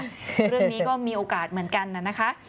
เรื่องนี้ก็มีโอกาสเหมือนกันน่ะนะคะ